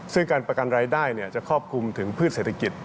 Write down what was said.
ซึ่งการประกันรายได้จะครอบคลุมถึงพืชเศรษฐกิจ